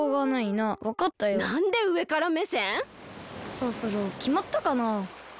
そろそろきまったかな？